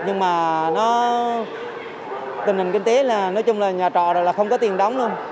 nhưng mà nó tình hình kinh tế là nói chung là nhà trọ là không có tiền đóng luôn